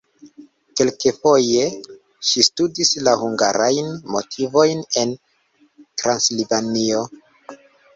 Kelkfoje ŝi studis la hungarajn motivojn en Transilvanio.